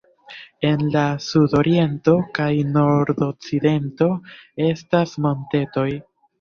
En la sudoriento kaj nordokcidento estas montetoj.